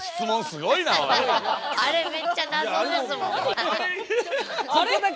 あれめっちゃ謎ですもん！